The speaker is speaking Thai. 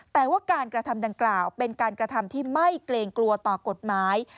แต่ว่าการกระทำดังกล่าวเป็นการกระทำที่ไม่เกรงกลัวต่อกฎหมาย